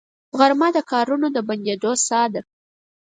غرمه د کارونو د بندېدو ساه ده